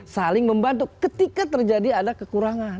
saling membantu ketika terjadi ada kekurangan